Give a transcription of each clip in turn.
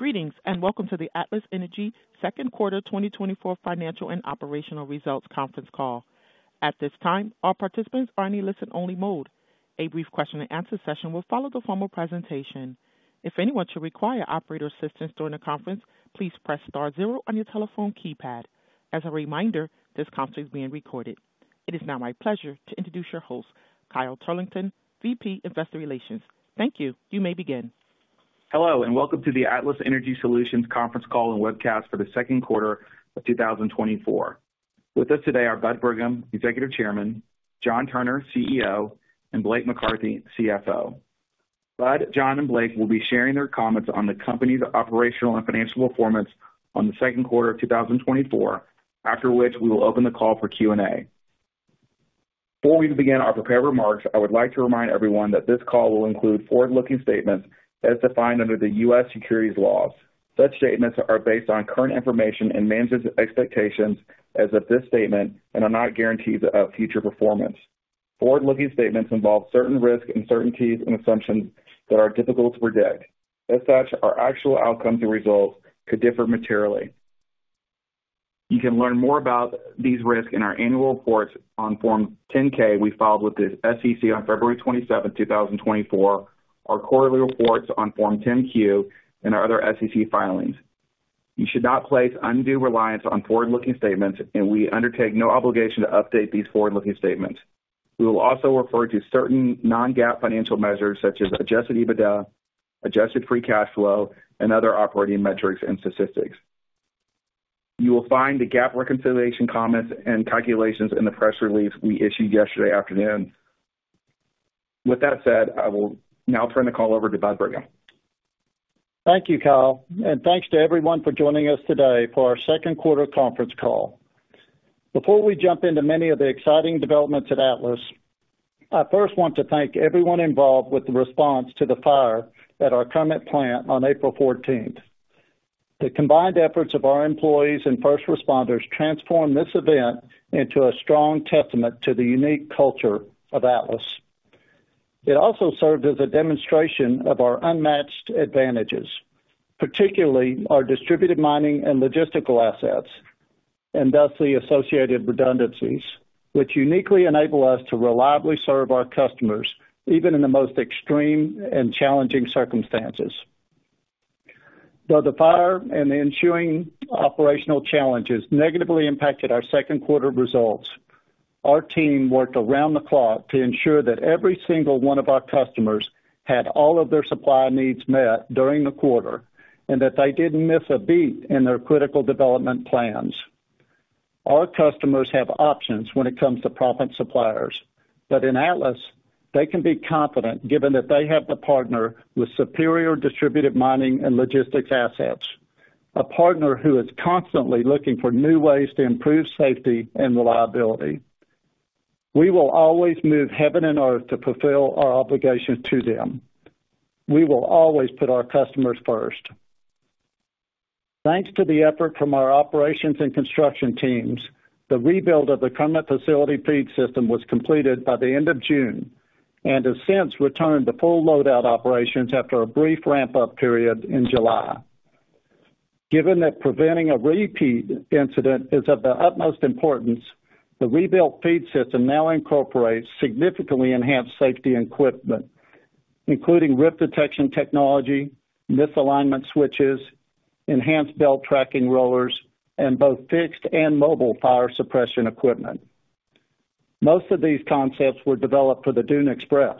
Greetings, and welcome to the Atlas Energy second quarter 2024 financial and operational results conference call. At this time, all participants are in a listen-only mode. A brief question-and-answer session will follow the formal presentation. If anyone should require operator assistance during the conference, please press star zero on your telephone keypad. As a reminder, this conference is being recorded. It is now my pleasure to introduce your host, Kyle Turlington, VP, Investor Relations. Thank you. You may begin. Hello, and welcome to the Atlas Energy Solutions conference call and webcast for the second quarter of 2024. With us today are Bud Brigham, Executive Chairman; John Turner, CEO; and Blake McCarthy, CFO. Bud, John, and Blake will be sharing their comments on the company's operational and financial performance on the second quarter of 2024, after which we will open the call for Q&A. Before we begin our prepared remarks, I would like to remind everyone that this call will include forward-looking statements as defined under the U.S. securities laws. Such statements are based on current information and management's expectations as of this statement and are not guarantees of future performance. Forward-looking statements involve certain risks, uncertainties, and assumptions that are difficult to predict. As such, our actual outcomes and results could differ materially. You can learn more about these risks in our annual reports on Form 10-K we filed with the SEC on February 27, 2024, our quarterly reports on Form 10-Q, and our other SEC filings. You should not place undue reliance on forward-looking statements, and we undertake no obligation to update these forward-looking statements. We will also refer to certain non-GAAP financial measures such as adjusted EBITDA, adjusted free cash flow, and other operating metrics and statistics. You will find the GAAP reconciliation comments and calculations in the press release we issued yesterday afternoon. With that said, I will now turn the call over to Bud Brigham. Thank you, Kyle, and thanks to everyone for joining us today for our second quarter conference call. Before we jump into many of the exciting developments at Atlas, I first want to thank everyone involved with the response to the fire at our Kermit plant on April fourteenth. The combined efforts of our employees and first responders transformed this event into a strong testament to the unique culture of Atlas. It also served as a demonstration of our unmatched advantages, particularly our distributed mining and logistical assets, and thus the associated redundancies, which uniquely enable us to reliably serve our customers, even in the most extreme and challenging circumstances. Though the fire and the ensuing operational challenges negatively impacted our second quarter results, our team worked around the clock to ensure that every single one of our customers had all of their supply needs met during the quarter and that they didn't miss a beat in their critical development plans. Our customers have options when it comes to proppant suppliers, but in Atlas, they can be confident, given that they have the partner with superior distributed mining and logistics assets, a partner who is constantly looking for new ways to improve safety and reliability. We will always move heaven and earth to fulfill our obligations to them. We will always put our customers first. Thanks to the effort from our operations and construction teams, the rebuild of the Kermit facility feed system was completed by the end of June and has since returned to full load-out operations after a brief ramp-up period in July. Given that preventing a repeat incident is of the utmost importance, the rebuilt feed system now incorporates significantly enhanced safety equipment, including rip detection technology, misalignment switches, enhanced belt tracking rollers, and both fixed and mobile fire suppression equipment. Most of these concepts were developed for the Dune Express,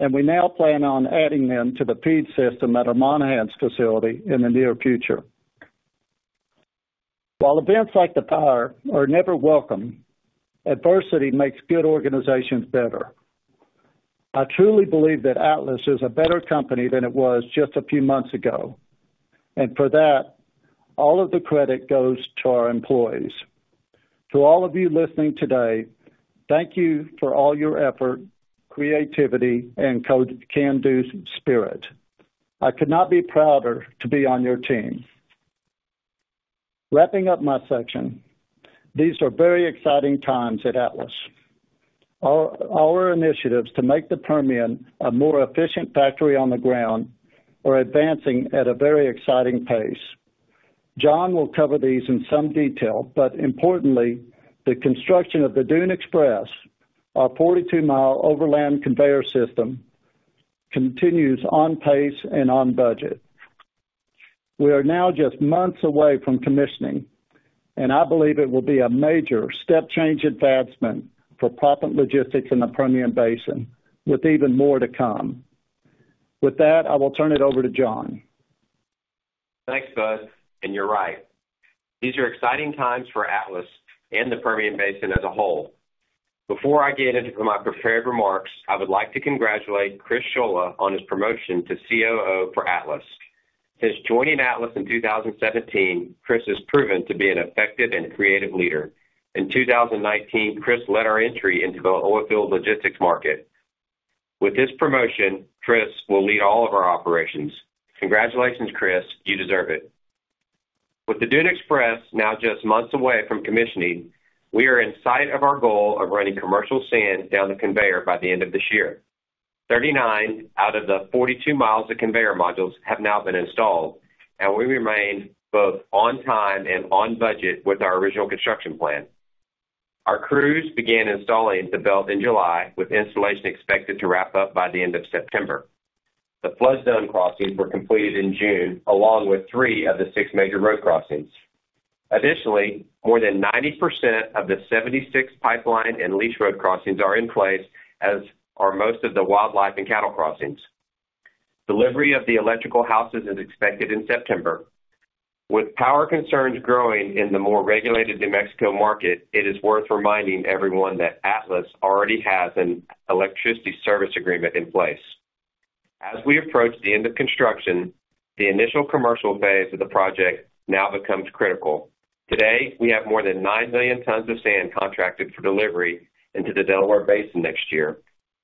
and we now plan on adding them to the feed system at our Monahans facility in the near future. While events like the fire are never welcome, adversity makes good organizations better. I truly believe that Atlas is a better company than it was just a few months ago, and for that, all of the credit goes to our employees. To all of you listening today, thank you for all your effort, creativity, and your can-do spirit. I could not be prouder to be on your team. Wrapping up my section, these are very exciting times at Atlas. Our initiatives to make the Permian a more efficient factory on the ground are advancing at a very exciting pace. John will cover these in some detail, but importantly, the construction of the Dune Express, our 42-mile overland conveyor system, continues on pace and on budget. We are now just months away from commissioning, and I believe it will be a major step change advancement for proppant logistics in the Permian Basin, with even more to come. With that, I will turn it over to John. Thanks, Bud. And you're right, these are exciting times for Atlas and the Permian Basin as a whole. Before I get into my prepared remarks, I would like to congratulate Chris Scholla on his promotion to COO for Atlas. Since joining Atlas in 2017, Chris has proven to be an effective and creative leader. In 2019, Chris led our entry into the oilfield logistics market. With this promotion, Chris will lead all of our operations. Congratulations, Chris. You deserve it. With the Dune Express now just months away from commissioning, we are in sight of our goal of running commercial sand down the conveyor by the end of this year. 39 out of the 42 miles of conveyor modules have now been installed, and we remain both on time and on budget with our original construction plan. Our crews began installing the belt in July, with installation expected to wrap up by the end of September. The flood zone crossings were completed in June, along with 3 of the 6 major road crossings. Additionally, more than 90% of the 76 pipeline and lease road crossings are in place, as are most of the wildlife and cattle crossings. Delivery of the electrical houses is expected in September. With power concerns growing in the more regulated New Mexico market, it is worth reminding everyone that Atlas already has an electricity service agreement in place. As we approach the end of construction, the initial commercial phase of the project now becomes critical. Today, we have more than 9 million tons of sand contracted for delivery into the Delaware Basin next year,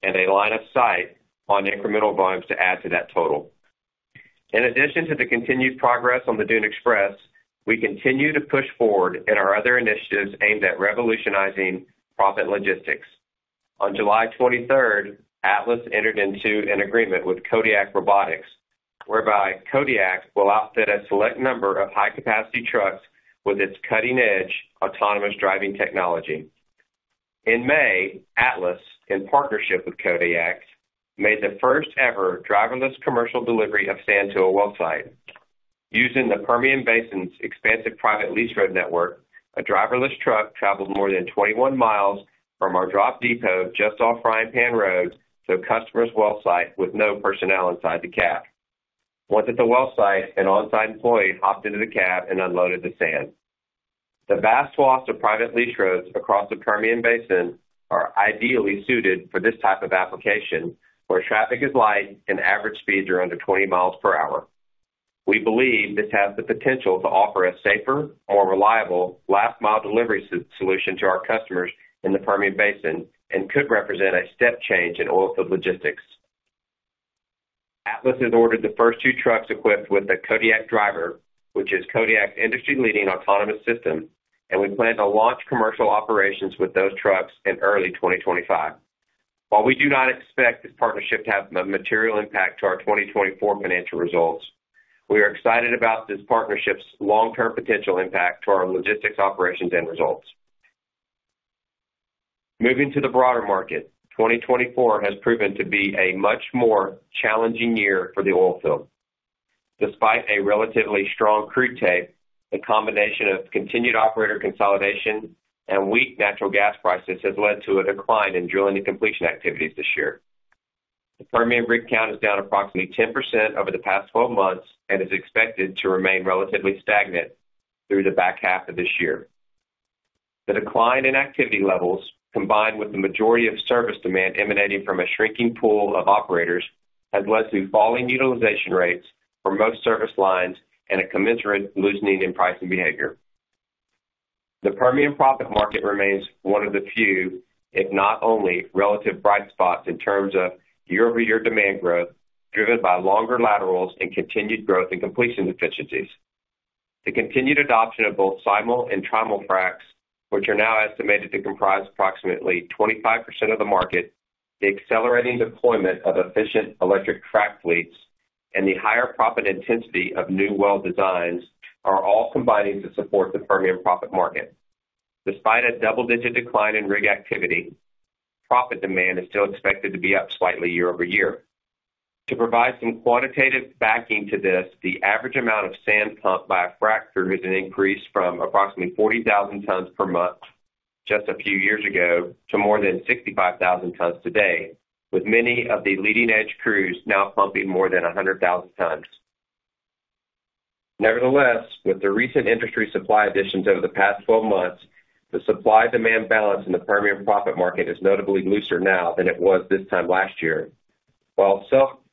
and a line of sight on incremental volumes to add to that total. In addition to the continued progress on the Dune Express, we continue to push forward in our other initiatives aimed at revolutionizing proppant logistics. On July 23rd, Atlas entered into an agreement with Kodiak Robotics, whereby Kodiak will outfit a select number of high-capacity trucks with its cutting-edge autonomous driving technology. In May, Atlas, in partnership with Kodiak, made the first-ever driverless commercial delivery of sand to a well site. Using the Permian Basin's expansive private lease road network, a driverless truck traveled more than 21 miles from our drop depot just off Frying Pan Road to a customer's well site with no personnel inside the cab. Once at the well site, an on-site employee hopped into the cab and unloaded the sand. The vast swaths of private lease roads across the Permian Basin are ideally suited for this type of application, where traffic is light and average speeds are under 20 miles per hour. We believe this has the potential to offer a safer, more reliable last-mile delivery solution to our customers in the Permian Basin and could represent a step change in oilfield logistics. Atlas has ordered the first two trucks equipped with the Kodiak Driver, which is Kodiak's industry-leading autonomous system, and we plan to launch commercial operations with those trucks in early 2025. While we do not expect this partnership to have a material impact to our 2024 financial results, we are excited about this partnership's long-term potential impact to our logistics operations and results. Moving to the broader market, 2024 has proven to be a much more challenging year for the oilfield. Despite a relatively strong crude tape, the combination of continued operator consolidation and weak natural gas prices has led to a decline in drilling and completion activities this year. The Permian rig count is down approximately 10% over the past 12 months and is expected to remain relatively stagnant through the back half of this year. The decline in activity levels, combined with the majority of service demand emanating from a shrinking pool of operators, has led to falling utilization rates for most service lines and a commensurate loosening in pricing behavior. The Permian proppant market remains one of the few, if not only, relative bright spots in terms of year-over-year demand growth, driven by longer laterals and continued growth in completion efficiencies. The continued adoption of both simul and trimul fracs, which are now estimated to comprise approximately 25% of the market, the accelerating deployment of efficient electric frac fleets, and the higher proppant intensity of new well designs are all combining to support the Permian proppant market. Despite a double-digit decline in rig activity, proppant demand is still expected to be up slightly year-over-year. To provide some quantitative backing to this, the average amount of sand pumped by a fracker has increased from approximately 40,000 tons per month just a few years ago to more than 65,000 tons today, with many of the leading-edge crews now pumping more than 100,000 tons. Nevertheless, with the recent industry supply additions over the past 12 months, the supply-demand balance in the Permian proppant market is notably looser now than it was this time last year. While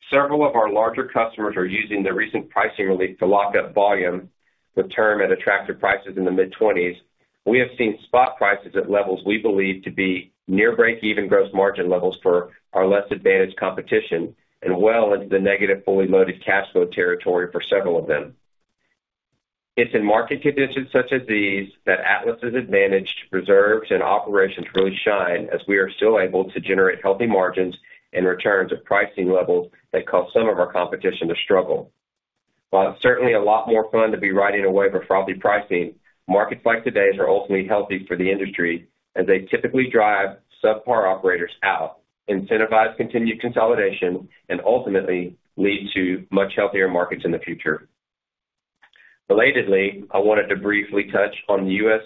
several of our larger customers are using the recent pricing relief to lock up volume with term at attractive prices in the mid-20s, we have seen spot prices at levels we believe to be near breakeven gross margin levels for our less advantaged competition and well into the negative fully loaded cash flow territory for several of them. It's in market conditions such as these that Atlas's advantage, reserves, and operations really shine, as we are still able to generate healthy margins and returns at pricing levels that cause some of our competition to struggle. While it's certainly a lot more fun to be riding a wave of frothy pricing, markets like today's are ultimately healthy for the industry as they typically drive subpar operators out, incentivize continued consolidation, and ultimately lead to much healthier markets in the future. Relatedly, I wanted to briefly touch on the U.S.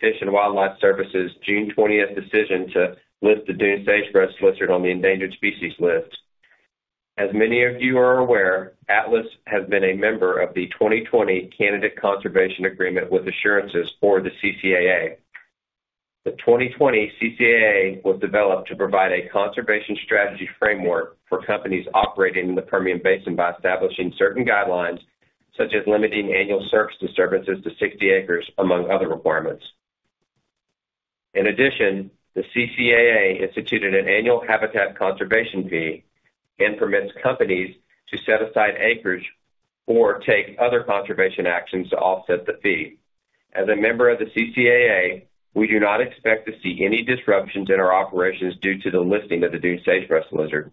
Fish and Wildlife Service's June 20th decision to list the Dune sagebrush lizard on the endangered species list. As many of you are aware, Atlas has been a member of the 2020 Candidate Conservation Agreement with Assurances, or the CCAA. The 2020 CCAA was developed to provide a conservation strategy framework for companies operating in the Permian Basin by establishing certain guidelines, such as limiting annual surface disturbances to 60 acres, among other requirements.... In addition, the CCAA instituted an annual habitat conservation fee and permits companies to set aside acreage or take other conservation actions to offset the fee. As a member of the CCAA, we do not expect to see any disruptions in our operations due to the listing of the Dune sagebrush lizard.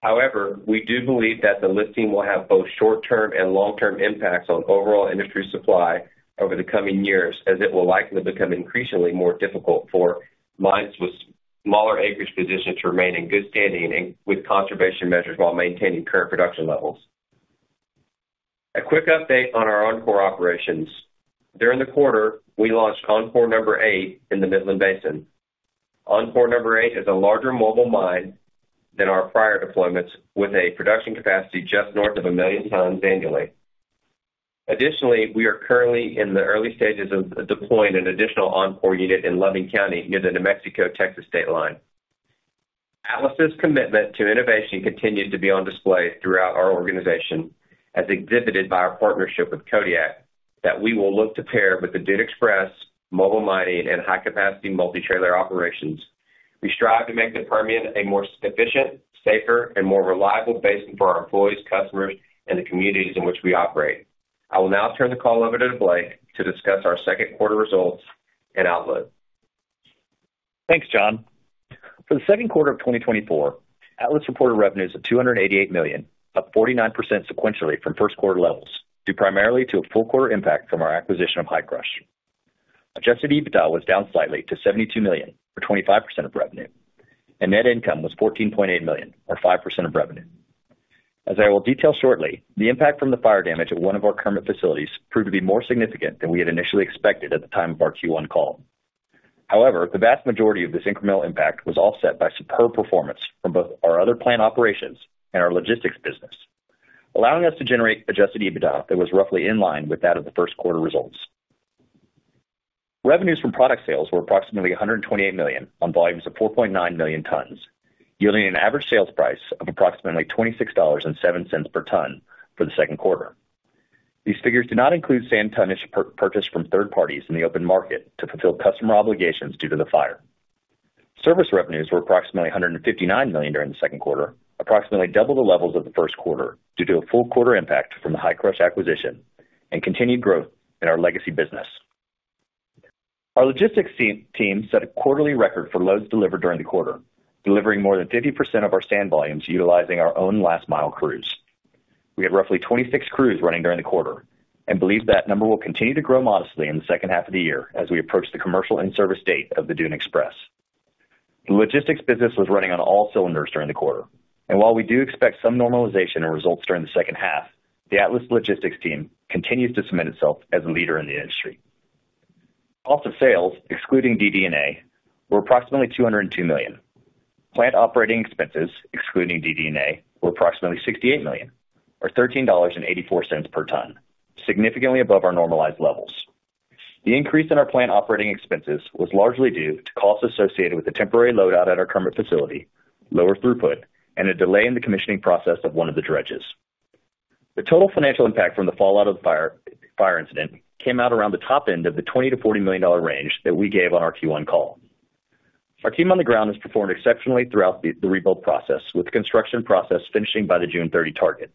However, we do believe that the listing will have both short-term and long-term impacts on overall industry supply over the coming years, as it will likely become increasingly more difficult for mines with smaller acreage positions to remain in good standing and with conservation measures while maintaining current production levels. A quick update on our Encore operations. During the quarter, we launched Encore number 8 in the Midland Basin. Encore number 8 is a larger mobile mine than our prior deployments, with a production capacity just north of 1 million tons annually. Additionally, we are currently in the early stages of deploying an additional Encore unit in Loving County, near the New Mexico-Texas state line. Atlas's commitment to innovation continues to be on display throughout our organization, as exhibited by our partnership with Kodiak, that we will look to pair with the Dune Express, mobile mining, and high-capacity multi-trailer operations. We strive to make the Permian a more efficient, safer, and more reliable basin for our employees, customers, and the communities in which we operate. I will now turn the call over to Blake to discuss our second quarter results and outlook. Thanks, John. For the second quarter of 2024, Atlas reported revenues of $288 million, up 49% sequentially from first quarter levels, due primarily to a full quarter impact from our acquisition of Hi-Crush. Adjusted EBITDA was down slightly to $72 million, or 25% of revenue, and net income was $14.8 million, or 5% of revenue. As I will detail shortly, the impact from the fire damage at one of our current facilities proved to be more significant than we had initially expected at the time of our Q1 call. However, the vast majority of this incremental impact was offset by superb performance from both our other plant operations and our logistics business, allowing us to generate adjusted EBITDA that was roughly in line with that of the first quarter results. Revenues from product sales were approximately $128 million on volumes of 4.9 million tons, yielding an average sales price of approximately $26.07 per ton for the second quarter. These figures do not include sand tonnage purchased from third parties in the open market to fulfill customer obligations due to the fire. Service revenues were approximately $159 million during the second quarter, approximately double the levels of the first quarter, due to a full quarter impact from the Hi-Crush acquisition and continued growth in our legacy business. Our logistics team set a quarterly record for loads delivered during the quarter, delivering more than 50% of our sand volumes utilizing our own last mile crews. We had roughly 26 crews running during the quarter and believe that number will continue to grow modestly in the second half of the year as we approach the commercial in-service date of the Dune Express. The logistics business was running on all cylinders during the quarter, and while we do expect some normalization in results during the second half, the Atlas logistics team continues to cement itself as a leader in the industry. Cost of sales, excluding DD&A, were approximately $202 million. Plant operating expenses, excluding DD&A, were approximately $68 million, or $13.84 per ton, significantly above our normalized levels. The increase in our plant operating expenses was largely due to costs associated with the temporary load-out at our Kermit facility, lower throughput, and a delay in the commissioning process of one of the dredges. The total financial impact from the fallout of the fire incident came out around the top end of the $20 million-$40 million range that we gave on our Q1 call. Our team on the ground has performed exceptionally throughout the rebuild process, with the construction process finishing by the June 30 target.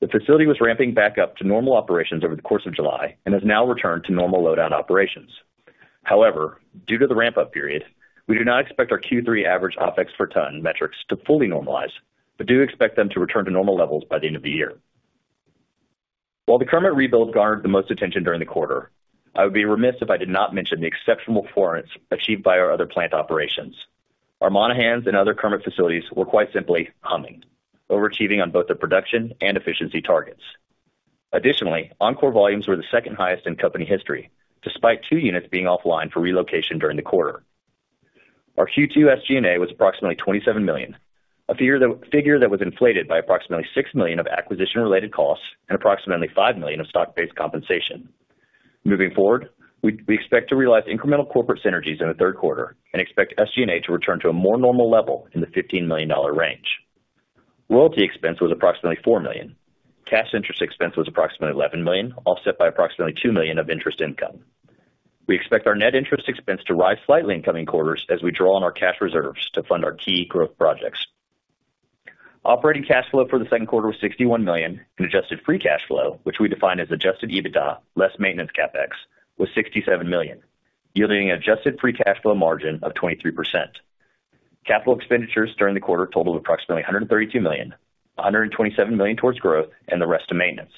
The facility was ramping back up to normal operations over the course of July and has now returned to normal load-out operations. However, due to the ramp-up period, we do not expect our Q3 average OpEx per ton metrics to fully normalize, but do expect them to return to normal levels by the end of the year. While the Kermit rebuild garnered the most attention during the quarter, I would be remiss if I did not mention the exceptional performance achieved by our other plant operations. Our Monahans and other Kermit facilities were quite simply humming, overachieving on both the production and efficiency targets. Additionally, Encore volumes were the second highest in company history, despite two units being offline for relocation during the quarter. Our Q2 SG&A was approximately $27 million, a figure that was inflated by approximately $6 million of acquisition-related costs and approximately $5 million of stock-based compensation. Moving forward, we expect to realize incremental corporate synergies in the third quarter and expect SG&A to return to a more normal level in the $15 million range. Royalty expense was approximately $4 million. Cash interest expense was approximately $11 million, offset by approximately $2 million of interest income. We expect our net interest expense to rise slightly in coming quarters as we draw on our cash reserves to fund our key growth projects. Operating cash flow for the second quarter was $61 million, and adjusted free cash flow, which we define as adjusted EBITDA less maintenance CapEx, was $67 million, yielding an adjusted free cash flow margin of 23%. Capital expenditures during the quarter totaled approximately $132 million, $127 million towards growth and the rest to maintenance.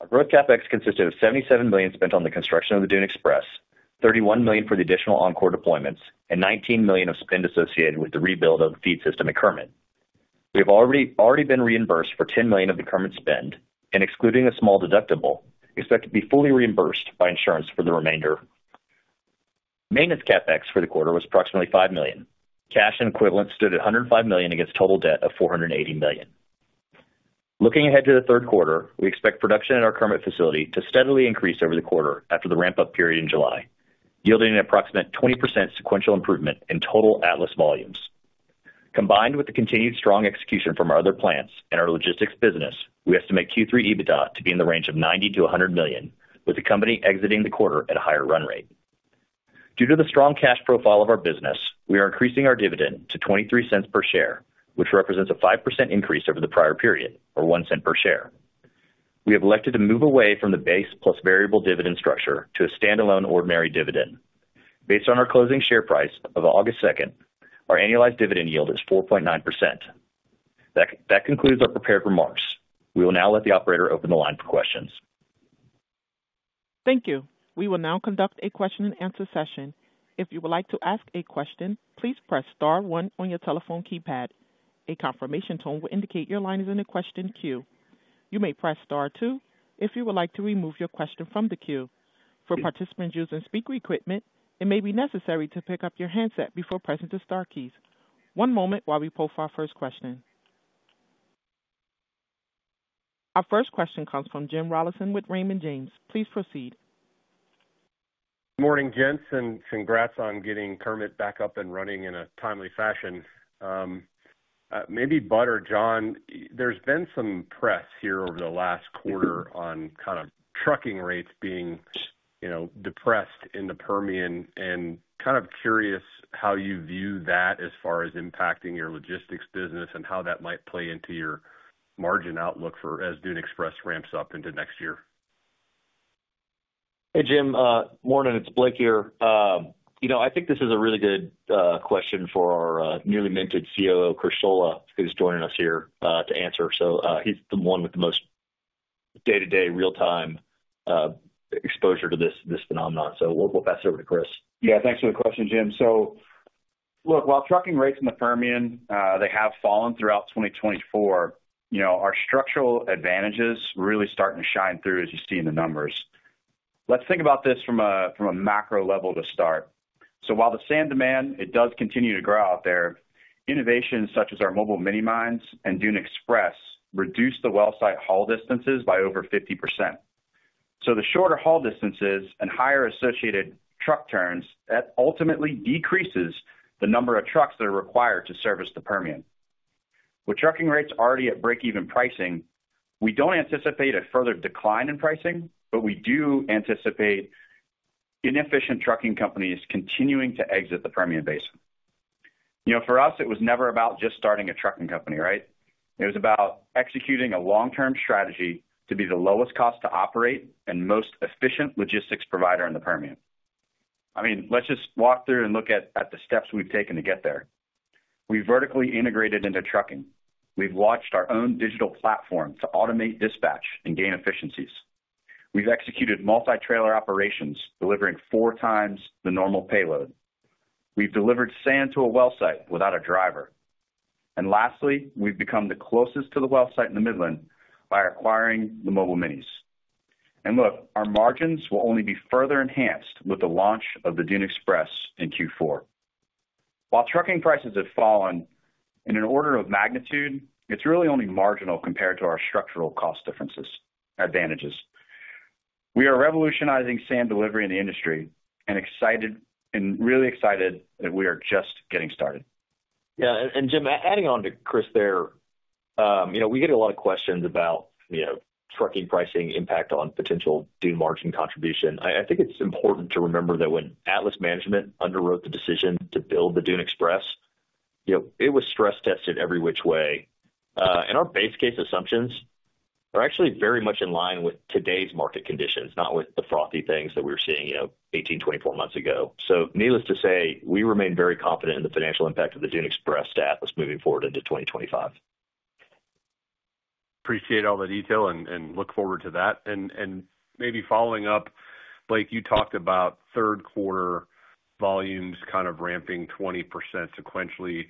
Our growth CapEx consisted of $77 million spent on the construction of the Dune Express, $31 million for the additional Encore deployments, and $19 million of spend associated with the rebuild of the feed system at Kermit. We have already been reimbursed for $10 million of the Kermit spend, and excluding a small deductible, expect to be fully reimbursed by insurance for the remainder. Maintenance CapEx for the quarter was approximately $5 million. Cash and equivalents stood at $105 million against total debt of $480 million. Looking ahead to the third quarter, we expect production at our Kermit facility to steadily increase over the quarter after the ramp-up period in July, yielding an approximate 20% sequential improvement in total Atlas volumes. Combined with the continued strong execution from our other plants and our logistics business, we estimate Q3 EBITDA to be in the range of $90 million-$100 million, with the company exiting the quarter at a higher run rate. Due to the strong cash profile of our business, we are increasing our dividend to $0.23 per share, which represents a 5% increase over the prior period, or $0.01 per share. We have elected to move away from the base plus variable dividend structure to a standalone ordinary dividend. Based on our closing share price of August second, our annualized dividend yield is 4.9%. That concludes our prepared remarks. We will now let the operator open the line for questions. Thank you. We will now conduct a question-and-answer session. If you would like to ask a question, please press star one on your telephone keypad. A confirmation tone will indicate your line is in the question queue. You may press star two if you would like to remove your question from the queue. For participants using speaker equipment, it may be necessary to pick up your handset before pressing the star keys. One moment while we poll for our first question. Our first question comes from Jim Rollyson with Raymond James. Please proceed. Morning, gents, and congrats on getting Kermit back up and running in a timely fashion. Maybe Bud or John, there's been some press here over the last quarter on kind of trucking rates being, you know, depressed in the Permian, and kind of curious how you view that as far as impacting your logistics business and how that might play into your margin outlook for as Dune Express ramps up into next year? Hey, Jim, morning, it's Blake here. You know, I think this is a really good question for our newly minted COO, Chris Scholla, who's joining us here to answer. So, he's the one with the most day-to-day, real-time exposure to this, this phenomenon. So we'll, we'll pass it over to Chris. Yeah, thanks for the question, Jim. So look, while trucking rates in the Permian, they have fallen throughout 2024, you know, our structural advantages really starting to shine through, as you see in the numbers. Let's think about this from a, from a macro level to start. So while the sand demand, it does continue to grow out there, innovations such as our mobile mini mines and Dune Express reduce the well site haul distances by over 50%. So the shorter haul distances and higher associated truck turns, that ultimately decreases the number of trucks that are required to service the Permian. With trucking rates already at break-even pricing, we don't anticipate a further decline in pricing, but we do anticipate inefficient trucking companies continuing to exit the Permian Basin. You know, for us, it was never about just starting a trucking company, right? It was about executing a long-term strategy to be the lowest cost to operate and most efficient logistics provider in the Permian. I mean, let's just walk through and look at the steps we've taken to get there. We vertically integrated into trucking. We've launched our own digital platform to automate dispatch and gain efficiencies. We've executed multi-trailer operations, delivering 4x the normal payload. We've delivered sand to a well site without a driver. And lastly, we've become the closest to the well site in the Midland by acquiring the mobile mines. And look, our margins will only be further enhanced with the launch of the Dune Express in Q4. While trucking prices have fallen in an order of magnitude, it's really only marginal compared to our structural cost differences advantages. We are revolutionizing sand delivery in the industry and excited and really excited that we are just getting started. Yeah, and Jim, adding on to Chris there, you know, we get a lot of questions about, you know, trucking pricing impact on potential Dune margin contribution. I think it's important to remember that when Atlas Management underwrote the decision to build the Dune Express, you know, it was stress tested every which way. And our base case assumptions are actually very much in line with today's market conditions, not with the frothy things that we were seeing, you know, 18, 24 months ago. So needless to say, we remain very confident in the financial impact of the Dune Express to Atlas moving forward into 2025. Appreciate all the detail and look forward to that. And maybe following up, Blake, you talked about third quarter volumes kind of ramping 20% sequentially,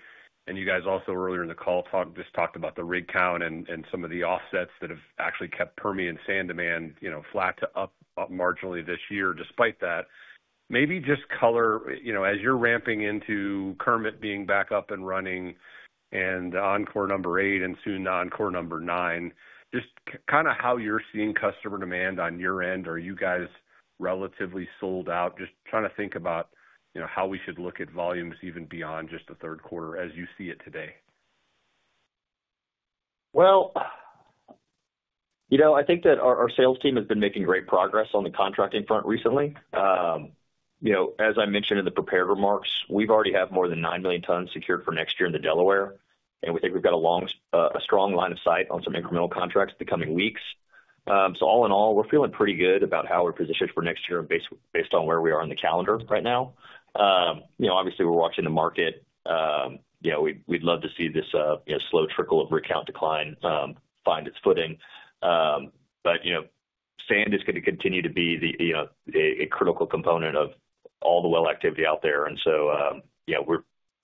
and you guys also earlier in the call talked about the rig count and some of the offsets that have actually kept Permian sand demand, you know, flat to up marginally this year despite that. Maybe just color, you know, as you're ramping into Kermit being back up and running and Encore number 8 and soon Encore number 9, just kind of how you're seeing customer demand on your end. Are you guys relatively sold out? Just trying to think about, you know, how we should look at volumes even beyond just the third quarter as you see it today. Well, you know, I think that our, our sales team has been making great progress on the contracting front recently. You know, as I mentioned in the prepared remarks, we've already have more than 9 million tons secured for next year in the Delaware, and we think we've got a long, a strong line of sight on some incremental contracts the coming weeks. So all in all, we're feeling pretty good about how we're positioned for next year based, based on where we are in the calendar right now. You know, obviously, we're watching the market. You know, we'd, we'd love to see this, you know, slow trickle of rig count decline, find its footing. But, you know, sand is gonna continue to be the, you know, a, a critical component of all the well activity out there. And so, yeah,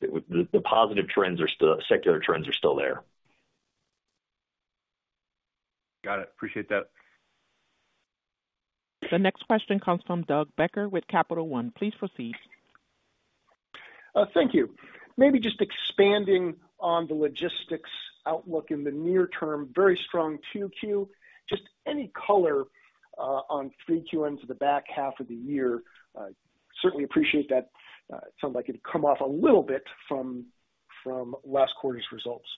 the positive trends are still. Secular trends are still there. Got it. Appreciate that. The next question comes from Doug Becker with Capital One. Please proceed. Thank you. Maybe just expanding on the logistics outlook in the near term, very strong 2Q, just any color on 3Q's for the back half of the year. Certainly appreciate that. It sounds like it come off a little bit from, from last quarter's results.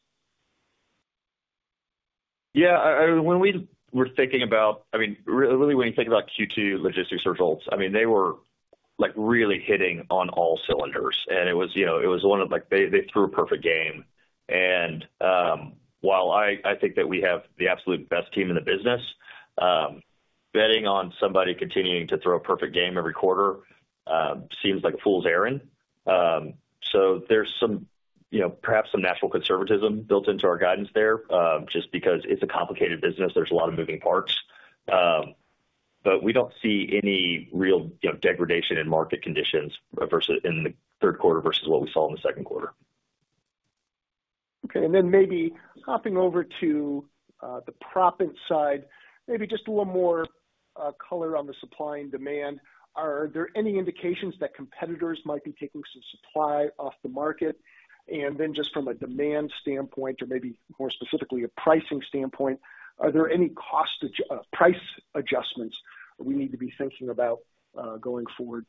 Yeah, when we were thinking about—I mean, really, when you think about Q2 logistics results, I mean, they were, like, really hitting on all cylinders, and it was, you know, it was one of, like, they threw a perfect game. While I think that we have the absolute best team in the business, betting on somebody continuing to throw a perfect game every quarter seems like a fool's errand. So there's some, you know, perhaps some natural conservatism built into our guidance there, just because it's a complicated business, there's a lot of moving parts. But we don't see any real, you know, degradation in market conditions versus in the third quarter versus what we saw in the second quarter. Okay, and then maybe hopping over to the proppant side, maybe just a little more color on the supply and demand. Are there any indications that competitors might be taking some supply off the market? And then just from a demand standpoint, or maybe more specifically, a pricing standpoint, are there any price adjustments we need to be thinking about going forward?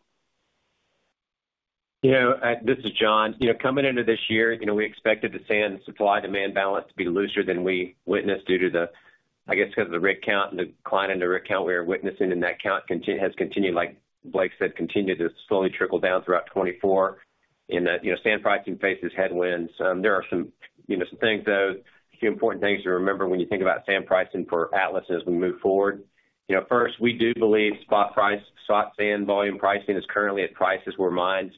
You know, this is John. You know, coming into this year, you know, we expected the sand supply-demand balance to be looser than we witnessed due to the, I guess, 'cause of the rig count, and the decline in the rig count we are witnessing, and that count has continued, like Blake said, continued to slowly trickle down throughout 2024. In that, you know, sand pricing faces headwinds. There are some, you know, some things, though, a few important things to remember when you think about sand pricing for Atlas as we move forward. You know, first, we do believe spot price, spot sand volume pricing is currently at prices where mines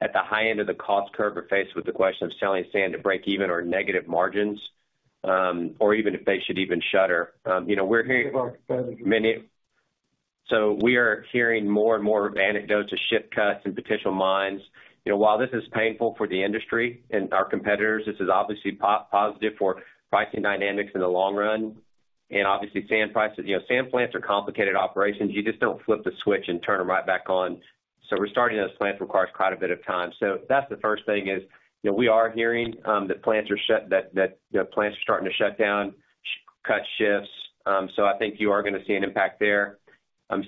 at the high end of the cost curve are faced with the question of selling sand to break even or negative margins, or even if they should even shutter. You know, so we are hearing more and more anecdotes of shift cuts and potential mines. You know, while this is painful for the industry and our competitors, this is obviously positive for pricing dynamics in the long run. And obviously, sand prices. You know, sand plants are complicated operations. You just don't flip the switch and turn them right back on. So restarting those plants requires quite a bit of time. So that's the first thing, is, you know, we are hearing that plants are shut, that plants are starting to shut down, cut shifts. So I think you are gonna see an impact there.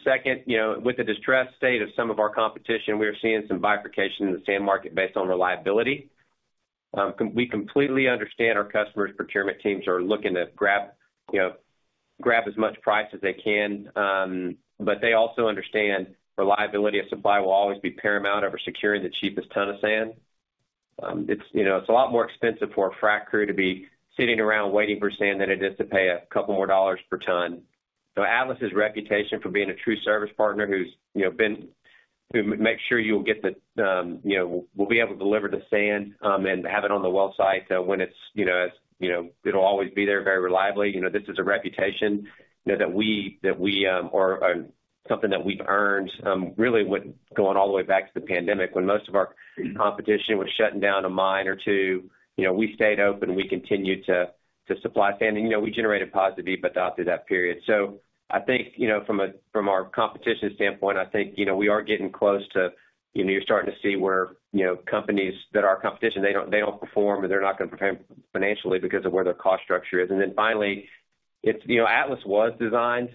Second, you know, with the distressed state of some of our competition, we are seeing some bifurcation in the sand market based on reliability. We completely understand our customers' procurement teams are looking to grab, you know, grab as much price as they can, but they also understand reliability of supply will always be paramount over securing the cheapest ton of sand. It's, you know, it's a lot more expensive for a frac crew to be sitting around waiting for sand than it is to pay a couple more dollars per ton. So Atlas's reputation for being a true service partner who's, you know, been to make sure you'll get the, you know, we'll be able to deliver the sand, and have it on the well site, when it's, you know, as you know, it'll always be there very reliably. You know, this is a reputation, you know, that we've earned, really with going all the way back to the pandemic, when most of our competition was shutting down a mine or two, you know, we stayed open, we continued to supply sand, and, you know, we generated positive EBITDA through that period. So I think, you know, from our competition standpoint, I think, you know, we are getting close to, you know, you're starting to see where, you know, companies that are our competition, they don't perform, and they're not gonna perform financially because of where their cost structure is. And then finally, it's, you know, Atlas was designed,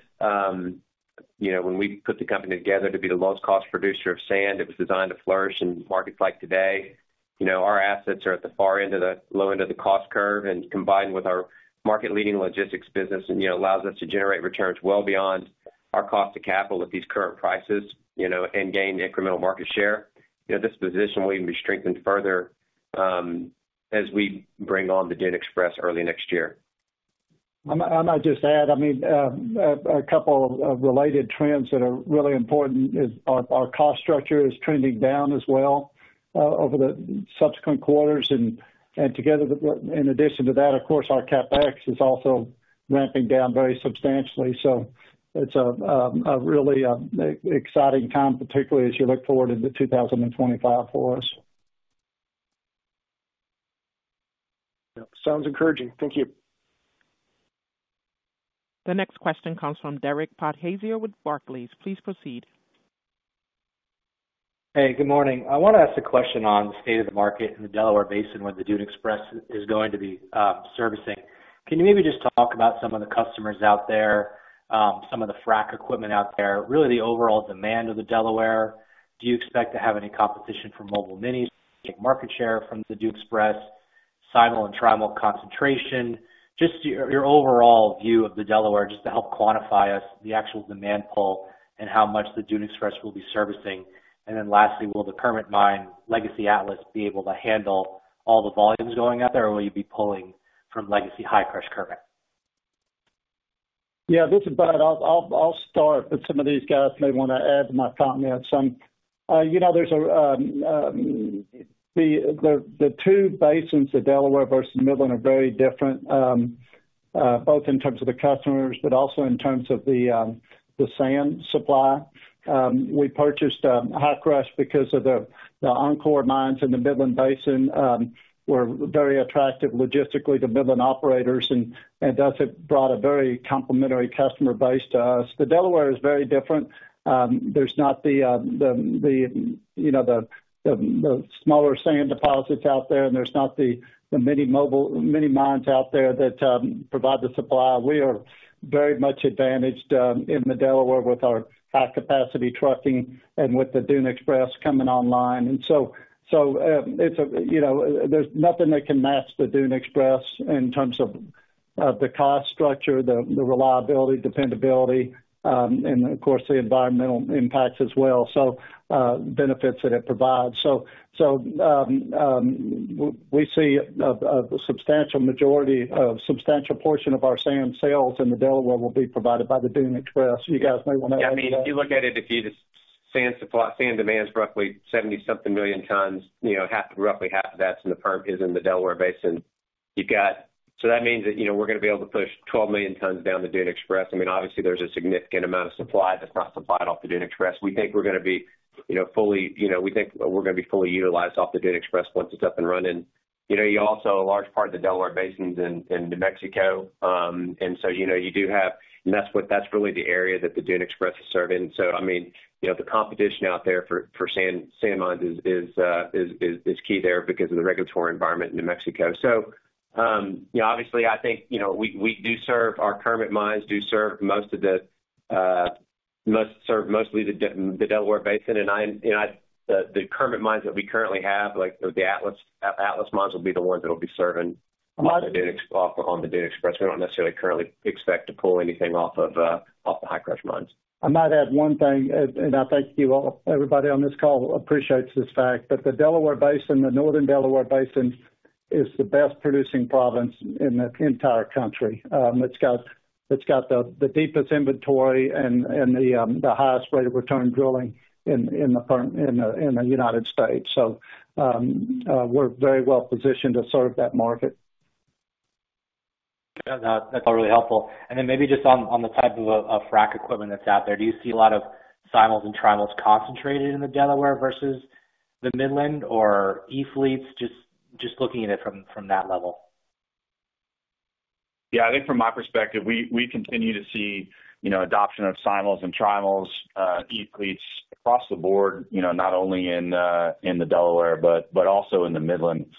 you know, when we put the company together to be the lowest cost producer of sand, it was designed to flourish in markets like today. You know, our assets are at the far end of the low end of the cost curve, and combined with our market-leading logistics business, and, you know, allows us to generate returns well beyond our cost to capital at these current prices, you know, and gain incremental market share. You know, this position will even be strengthened further, as we bring on the Dune Express early next year. I might just add, I mean, a couple of related trends that are really important is our cost structure is trending down as well, over the subsequent quarters. And together, in addition to that, of course, our CapEx is also ramping down very substantially. So it's a really exciting time, particularly as you look forward into 2025 for us. Yeah. Sounds encouraging. Thank you. The next question comes from Derek Podhaizer with Barclays. Please proceed. Hey, good morning. I want to ask a question on the state of the market in the Delaware Basin, where the Dune Express is going to be servicing. Can you maybe just talk about some of the customers out there, some of the frac equipment out there, really the overall demand of the Delaware? Do you expect to have any competition from mobile mines, take market share from the Dune Express, simul and trimul concentration? Just your overall view of the Delaware, just to help quantify us the actual demand pull and how much the Dune Express will be servicing. And then lastly, will the current mine, Legacy Atlas, be able to handle all the volumes going out there, or will you be pulling from Legacy Hi-Crush current? Yeah, this is Bud. I'll start, but some of these guys may want to add to my comments. You know, the two basins of Delaware versus Midland are very different, both in terms of the customers, but also in terms of the sand supply. We purchased Hi-Crush because of the Encore mines in the Midland Basin were very attractive logistically to Midland operators, and thus it brought a very complimentary customer base to us. The Delaware is very different. There's not the, you know, the smaller sand deposits out there, and there's not the many mobile mines out there that provide the supply. We are very much advantaged in the Delaware with our high-capacity trucking and with the Dune Express coming online. So, it's a, you know, there's nothing that can match the Dune Express in terms of the cost structure, the reliability, dependability, and of course, the environmental impacts as well. So, benefits that it provides. We see a substantial majority, a substantial portion of our sand sales in the Delaware will be provided by the Dune Express. You guys may want to- Yeah, I mean, if you look at it, if you just sand supply, sand demand is roughly 70-something million tons, you know, half, roughly half of that's in the perm is in the Delaware Basin. You've got... So that means that, you know, we're gonna be able to push 12 million tons down the Dune Express. I mean, obviously, there's a significant amount of supply that's not supplied off the Dune Express. We think we're gonna be, you know, fully, you know, we think we're gonna be fully utilized off the Dune Express once it's up and running. You know, you also, a large part of the Delaware Basin is in, in New Mexico. And so, you know, you do have-- and that's what, that's really the area that the Dune Express is serving. So I mean, you know, the competition out there for sand mines is key there because of the regulatory environment in New Mexico. So, you know, obviously, I think, you know, we do serve our Kermit mines, do serve mostly the Delaware Basin. And you know, the Kermit mines that we currently have, like, the Atlas mines, will be the ones that will be serving on the Dune Express. We don't necessarily currently expect to pull anything off of the Hi-Crush mines. I might add one thing, and I think you all, everybody on this call appreciates this fact, but the Delaware Basin, the northern Delaware Basin, is the best producing province in the entire country. It's got the deepest inventory and the highest rate of return drilling in the Permian in the United States. So, we're very well positioned to serve that market. Yeah, that's really helpful. And then maybe just on the type of frac equipment that's out there, do you see a lot of simuls and trimuls concentrated in the Delaware versus the Midland or E-fleets? Just looking at it from that level. Yeah, I think from my perspective, we continue to see, you know, adoption of simuls and trimuls, E-fleets across the board, you know, not only in the Delaware, but also in the Midland. You know,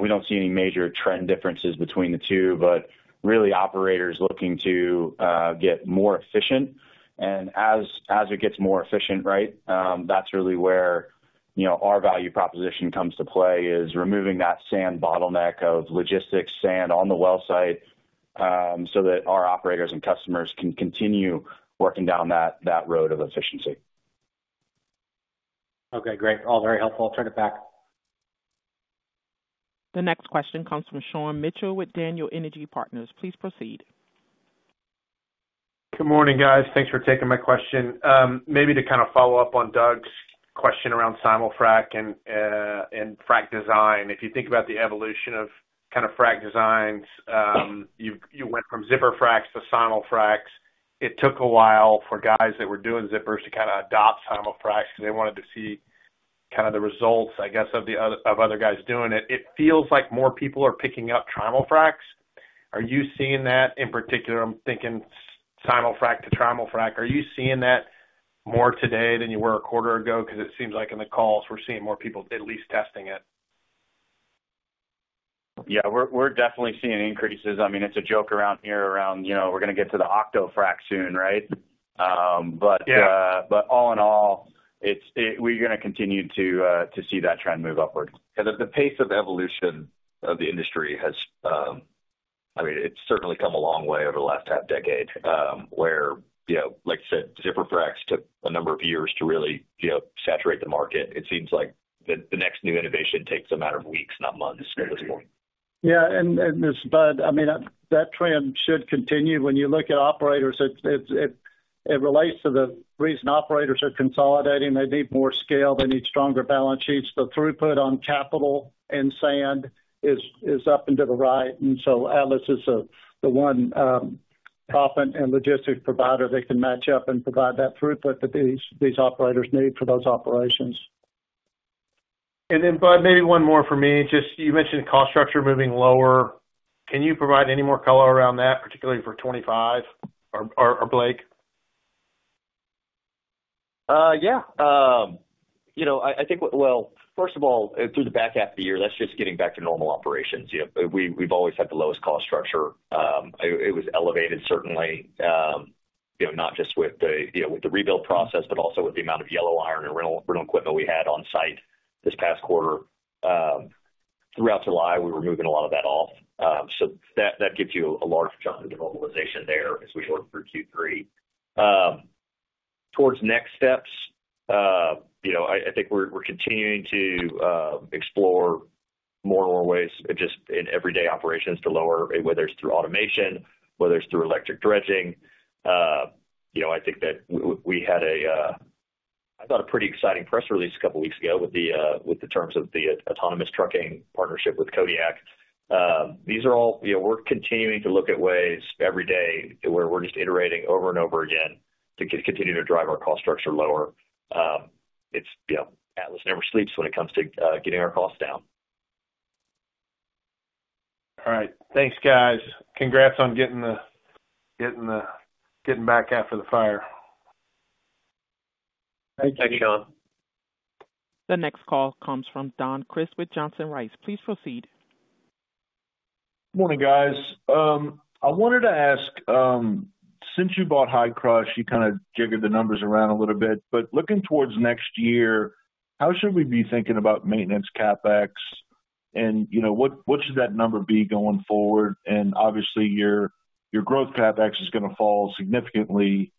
we don't see any major trend differences between the two, but really operators looking to get more efficient. And as it gets more efficient, right, that's really where, you know, our value proposition comes to play, is removing that sand bottleneck of logistics sand on the well site, so that our operators and customers can continue working down that road of efficiency. Okay, great. All very helpful. I'll turn it back. The next question comes from Sean Mitchell with Daniel Energy Partners. Please proceed. Good morning, guys. Thanks for taking my question. Maybe to kind of follow up on Doug's question around Simul frac and frac design. If you think about the evolution of kind of frac designs, you went from Zipper fracs to Simul fracs. It took a while for guys that were doing zippers to kind of adopt Simul fracs because they wanted to see kind of the results, I guess, of the other-- of other guys doing it. It feels like more people are picking up Trimul fracs. Are you seeing that in particular? I'm thinking Simul frac to Trimul frac. Are you seeing that more today than you were a quarter ago? Because it seems like in the calls, we're seeing more people at least testing it. Yeah, we're definitely seeing increases. I mean, it's a joke around here, you know, we're gonna get to the octo-frac soon, right? But- Yeah. But all in all, we're gonna continue to see that trend move upward. And the pace of evolution of the industry has, I mean, it's certainly come a long way over the last half decade, where, you know, like you said, zipper fracs took a number of years to really, you know, saturate the market. It seems like the next new innovation takes a matter of weeks, not months at this point. Yeah, this, Bud, I mean, that trend should continue. When you look at operators, it relates to the reason operators are consolidating. They need more scale. They need stronger balance sheets. The throughput on capital and sand is up and to the right, and so Atlas is the one top-end and logistic provider that can match up and provide that throughput that these operators need for those operations. And then, Bud, maybe one more for me. Just you mentioned cost structure moving lower. Can you provide any more color around that, particularly for 25, or, or, Blake? Yeah. You know, I think, well, first of all, through the back half of the year, that's just getting back to normal operations. Yeah, we've always had the lowest cost structure. It was elevated certainly, you know, not just with the rebuild process, but also with the amount of yellow iron and rental equipment we had on site this past quarter. Throughout July, we were moving a lot of that off. So that gives you a large jump in the mobilization there as we work through Q3. Towards next steps, you know, I think we're continuing to explore more and more ways just in everyday operations to lower, whether it's through automation, whether it's through electric dredging. You know, I think that we had a pretty exciting press release a couple weeks ago with the terms of the autonomous trucking partnership with Kodiak. You know, we're continuing to look at ways every day, where we're just iterating over and over again to continue to drive our cost structure lower. It's, you know, Atlas never sleeps when it comes to getting our costs down. All right. Thanks, guys. Congrats on getting back after the fire. Thanks, Sean. The next call comes from Don Crist with Johnson Rice. Please proceed. Morning, guys. I wanted to ask, since you bought Hi-Crush, you kind of jiggered the numbers around a little bit, but looking towards next year, how should we be thinking about maintenance CapEx? And, you know, what should that number be going forward? And obviously, your growth CapEx is going to fall significantly,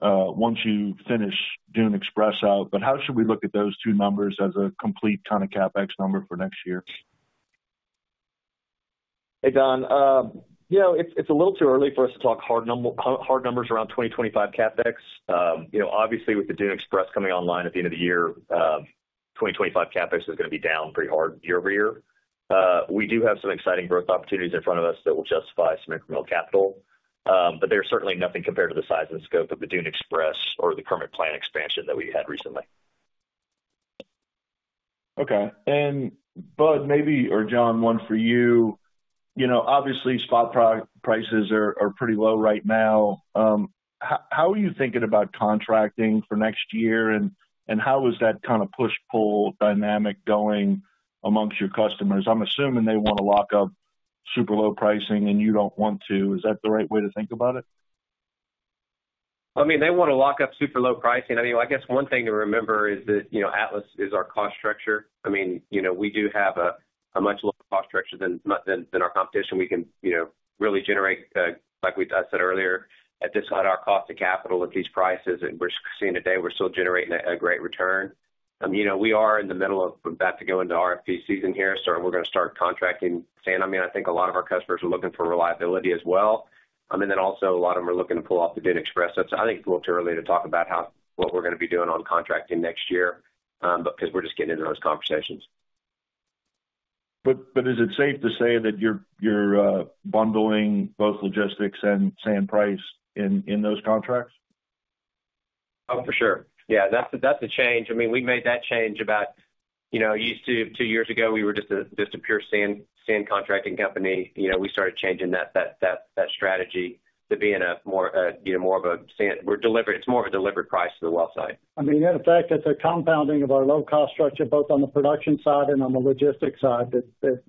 once you finish Dune Express out, but how should we look at those two numbers as a complete ton of CapEx number for next year? Hey, Don. You know, it's a little too early for us to talk hard numbers around 2025 CapEx. You know, obviously, with the Dune Express coming online at the end of the year, 2025 CapEx is going to be down pretty hard year-over-year. We do have some exciting growth opportunities in front of us that will justify some incremental capital. But there's certainly nothing compared to the size and scope of the Dune Express or the current plant expansion that we had recently. Okay. And Bud, maybe, or John, one for you. You know, obviously, spot prices are pretty low right now. How are you thinking about contracting for next year, and how is that kind of push-pull dynamic going amongst your customers? I'm assuming they want to lock up super low pricing, and you don't want to. Is that the right way to think about it? I mean, they want to lock up super low pricing. I mean, I guess one thing to remember is that, you know, Atlas is our cost structure. I mean, you know, we do have a much lower cost structure than our competition. We can, you know, really generate, like I said earlier, at this point, our cost of capital at these prices that we're seeing today, we're still generating a great return. You know, we are in the middle of about to go into our RFP season here, so we're going to start contracting. And, I mean, I think a lot of our customers are looking for reliability as well. And then also, a lot of them are looking to pull off the Dune Express. I think it's a little too early to talk about how, what we're going to be doing on contracting next year, because we're just getting into those conversations. But is it safe to say that you're bundling both logistics and sand price in those contracts? Oh, for sure. Yeah, that's a change. I mean, we made that change about 2 years ago. We were just a pure sand contracting company. You know, we started changing that strategy to being a more, you know, more of a sand. It's more of a delivered price to the well site. I mean, the fact that they're compounding of our low-cost structure, both on the production side and on the logistics side, that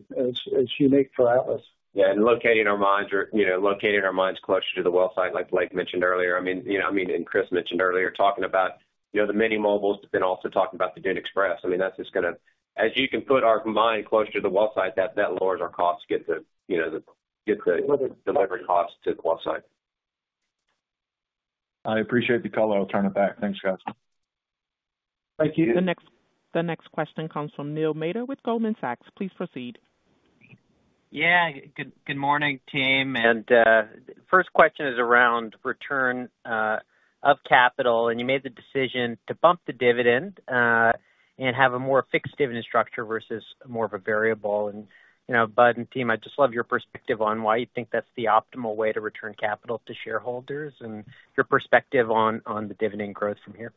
is unique for Atlas. Yeah, and locating our mines or, you know, locating our mines closer to the well site, like Blake mentioned earlier. I mean, you know, I mean, and Chris mentioned earlier, talking about, you know, the mobile mines, then also talking about the Dune Express. I mean, that's just gonna... As you can put our mine closer to the well site, that, that lowers our costs, get the, you know, the, get the delivery costs to the well site. I appreciate the call. I'll turn it back. Thanks, guys. Thank you. The next question comes from Neil Mehta with Goldman Sachs. Please proceed. Yeah, good morning, team. First question is around return of capital, and you made the decision to bump the dividend and have a more fixed dividend structure versus more of a variable. You know, Bud and team, I'd just love your perspective on why you think that's the optimal way to return capital to shareholders and your perspective on the dividend growth from here.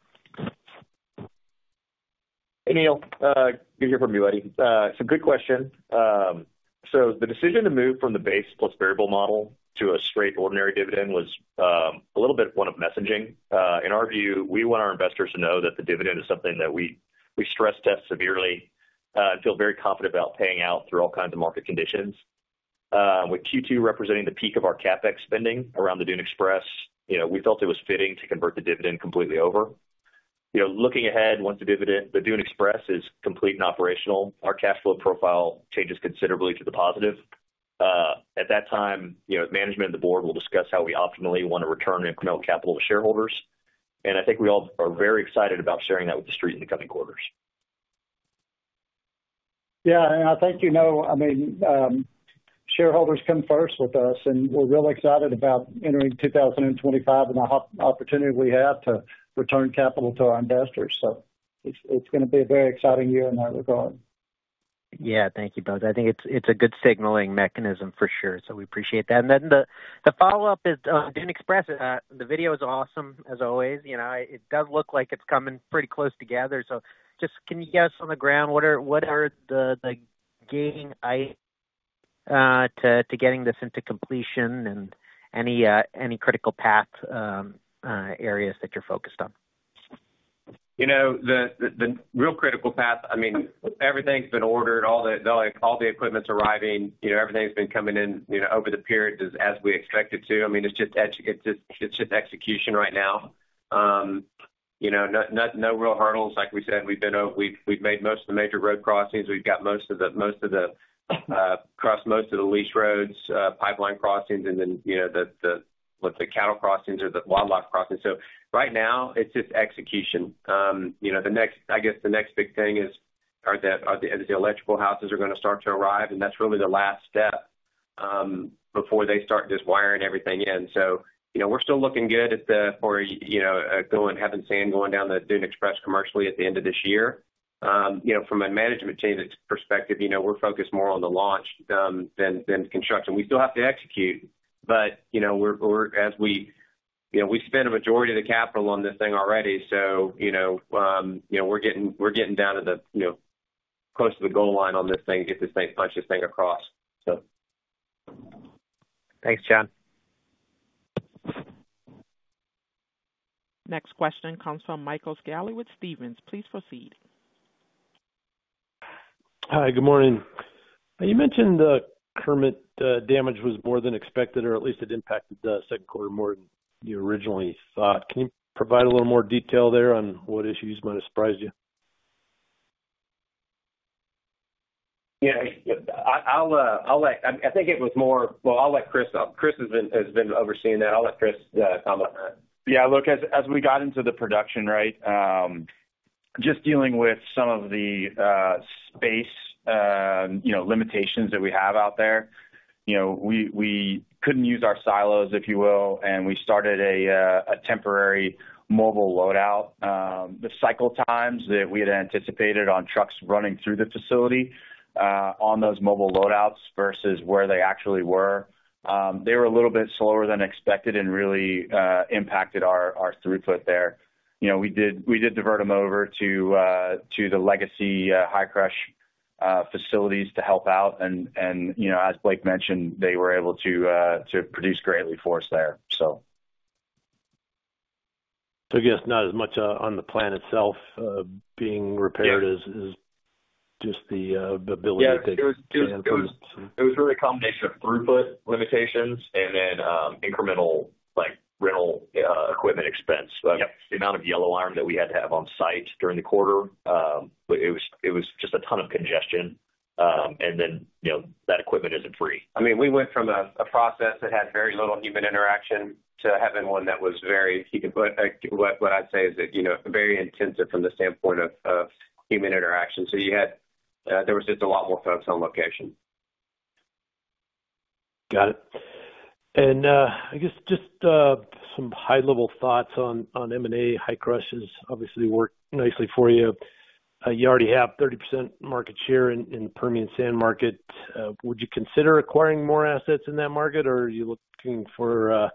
Hey, Neil, good to hear from you, buddy. It's a good question. So the decision to move from the base plus variable model to a straight ordinary dividend was a little bit one of messaging. In our view, we want our investors to know that the dividend is something that we, we stress test severely and feel very confident about paying out through all kinds of market conditions. With Q2 representing the peak of our CapEx spending around the Dune Express, you know, we felt it was fitting to convert the dividend completely over. You know, looking ahead, once the dividend, the Dune Express is complete and operational, our cash flow profile changes considerably to the positive. At that time, you know, management and the board will discuss how we optimally want to return incremental capital to shareholders. I think we all are very excited about sharing that with the street in the coming quarters. Yeah, and I think, you know, I mean, shareholders come first with us, and we're really excited about entering 2025 and the opportunity we have to return capital to our investors. So it's going to be a very exciting year in that regard. Yeah. Thank you, Bud. I think it's, it's a good signaling mechanism for sure, so we appreciate that. And then the follow-up is, Dune Express, the video is awesome, as always. You know, it does look like it's coming pretty close together, so just can you guess on the ground, what are, what are the, the gating, to, to getting this into completion and any, any critical path, areas that you're focused on? You know, the real critical path, I mean, everything's been ordered, all the, like, all the equipment's arriving, you know, everything's been coming in, you know, over the period as we expected to. I mean, it's just, it's just execution right now. You know, no real hurdles. Like we said, we've been over. We've made most of the major road crossings. We've got most of the crossed most of the lease roads, pipeline crossings, and then, you know, the cattle crossings or the wildlife crossings. So right now it's just execution. You know, the next, I guess, the next big thing is the electrical houses are going to start to arrive, and that's really the last step before they start just wiring everything in. So, you know, we're still looking good for, you know, having sand going down the Dune Express commercially at the end of this year. You know, from a management team perspective, you know, we're focused more on the launch than construction. We still have to execute, but, you know, we spent a majority of the capital on this thing already, so, you know, we're getting down to the, you know, close to the goal line on this thing, get this thing, punch this thing across, so. Thanks, John. Next question comes from Michael Scialla with Stephens. Please proceed. Hi, good morning. You mentioned the Kermit damage was more than expected, or at least it impacted the second quarter more than you originally thought. Can you provide a little more detail there on what issues might have surprised you? Yeah, I'll let Chris know. Chris has been overseeing that. I'll let Chris comment on that. Yeah, look, as we got into the production, right, just dealing with some of the space limitations that we have out there, you know, we couldn't use our silos, if you will, and we started a temporary mobile loadout. The cycle times that we had anticipated on trucks running through the facility on those mobile loadouts versus where they actually were, they were a little bit slower than expected and really impacted our throughput there. You know, we did divert them over to the legacy Hi-Crush facilities to help out. You know, as Blake mentioned, they were able to produce greatly for us there, so. So I guess not as much, on the plant itself, being repaired- Yeah. as just the ability to- Yeah. It was really a combination of throughput limitations and then, incremental, like, rental equipment expense. Yep. The amount of yellow iron that we had to have on site during the quarter, it was just a ton of congestion. And then, you know, that equipment isn't free. I mean, we went from a process that had very little human interaction to having one that was very... What I'd say is that, you know, very intensive from the standpoint of human interaction. So you had, there was just a lot more folks on location. Got it. And, I guess just some high-level thoughts on M&A. Hi-Crush has obviously worked nicely for you. You already have 30% market share in the Permian sand market. Would you consider acquiring more assets in that market, or are you looking for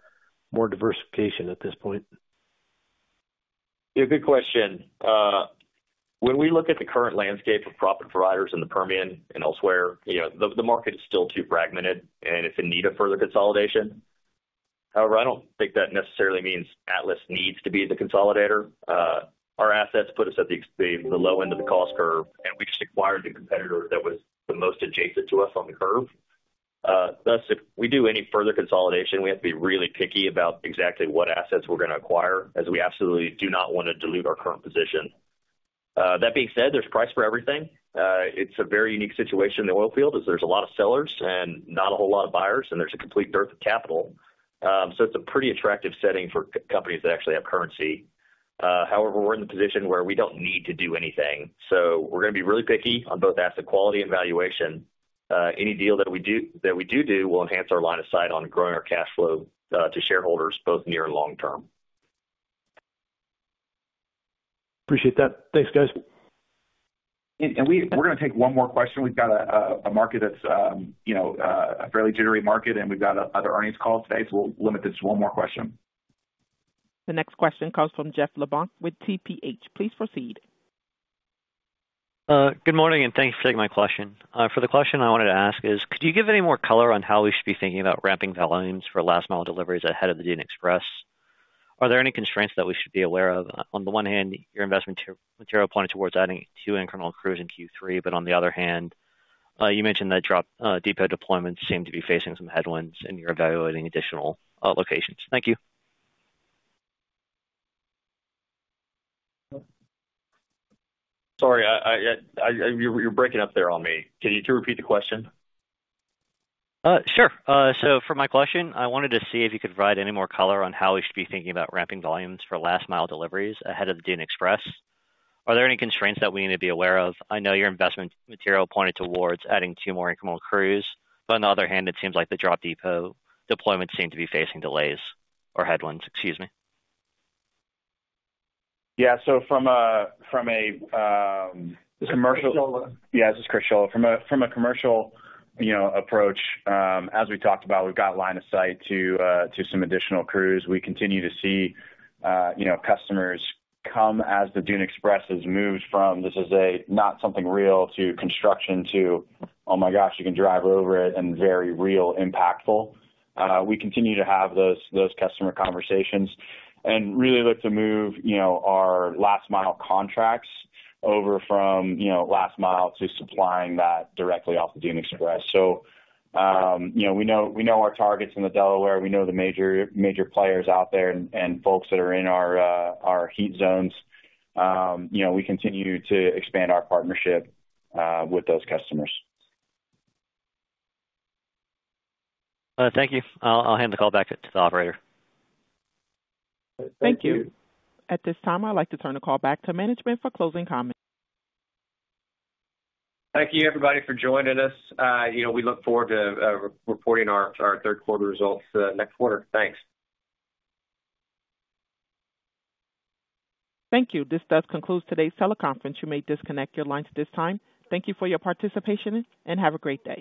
more diversification at this point? Yeah, good question. When we look at the current landscape of proppant providers in the Permian and elsewhere, you know, the market is still too fragmented, and it's in need of further consolidation. However, I don't think that necessarily means Atlas needs to be the consolidator. Our assets put us at the low end of the cost curve, and we just acquired the competitor that was the most adjacent to us on the curve. Thus, if we do any further consolidation, we have to be really picky about exactly what assets we're gonna acquire, as we absolutely do not want to dilute our current position. That being said, there's a price for everything. It's a very unique situation in the oil field, is there's a lot of sellers and not a whole lot of buyers, and there's a complete dearth of capital. So, it's a pretty attractive setting for companies that actually have currency. However, we're in the position where we don't need to do anything, so we're gonna be really picky on both asset quality and valuation. Any deal that we do, that we do do, will enhance our line of sight on growing our cash flow to shareholders, both near and long term. Appreciate that. Thanks, guys. We're gonna take one more question. We've got a market that's, you know, a fairly jittery market, and we've got other earnings calls today, so we'll limit this to one more question. The next question comes from Jeff LeBlanc with TPH. Please proceed. Good morning, and thanks for taking my question. For the question I wanted to ask is, could you give any more color on how we should be thinking about ramping volumes for last mile deliveries ahead of the Dune Express? Are there any constraints that we should be aware of? On the one hand, your investment material pointed towards adding two incremental crews in Q3, but on the other hand, you mentioned that drop depot deployments seem to be facing some headwinds, and you're evaluating additional locations. Thank you. Sorry, you're breaking up there on me. Could you repeat the question? Sure. So for my question, I wanted to see if you could provide any more color on how we should be thinking about ramping volumes for last mile deliveries ahead of the Dune Express. Are there any constraints that we need to be aware of? I know your investment material pointed towards adding two more incremental crews, but on the other hand, it seems like the drop depot deployments seem to be facing delays or headwinds. Excuse me. Yeah. So from a commercial- This is Chris Scholla. Yeah, this is Chris Scholla. From a commercial, you know, approach, as we talked about, we've got line of sight to some additional crews. We continue to see, you know, customers come as the Dune Express has moved from this is a not something real to construction to, oh, my gosh, you can drive over it and very real impactful. We continue to have those customer conversations and really look to move, you know, our last mile contracts over from last mile to supplying that directly off the Dune Express. So, you know, we know our targets in the Delaware. We know the major players out there and folks that are in our heat zones. You know, we continue to expand our partnership with those customers. Thank you. I'll hand the call back to the operator. Thank you. At this time, I'd like to turn the call back to management for closing comments. Thank you, everybody, for joining us. You know, we look forward to reporting our third quarter results next quarter. Thanks. Thank you. This does conclude today's teleconference. You may disconnect your lines at this time. Thank you for your participation, and have a great day.